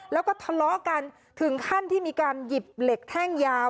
แล้วก็ทะเลาะกันถึงขั้นที่มีการหยิบเหล็กแท่งยาว